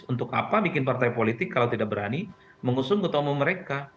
untuk apa bikin partai politik kalau tidak berani mengusung ketua umum mereka